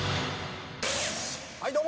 はいどうも。